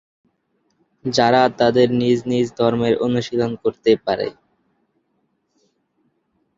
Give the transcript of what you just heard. যারা তাদের নিজ নিজ ধর্মের অনুশীলন করতে পারে।